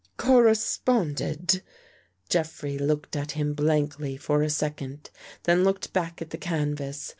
" Corresponded .. Jeffrey looked at him ^blankly for a second then looked back at the canvas.